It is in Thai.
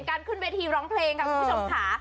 ขึ้นเวทีร้องเพลงค่ะคุณผู้ชมค่ะ